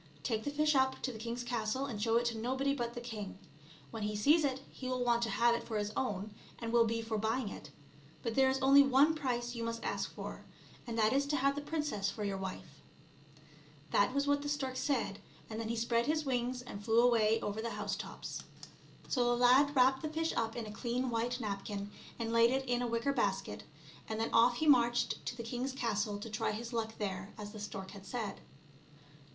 Take the fish up to the king*s castle and show it to nobody but the king. When he sees it 92 ONE GOOD TURN DESERVES ANOTHER. he will want to have it for his own and will be for buying it, but there is only one price you must ask for it, and that is to have the princess for your wife." That was what the stork said, and then he spread his wings and flew away over the house tops. So the lad wrapped the fish up in a clean white napkin and laid it in a wicker basket, and then off he marched to the king s castle to try his luck there, as the stork had said.